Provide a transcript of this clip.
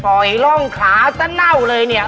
สิ่งใจร่องขาสะเต้าเลยเนี่ย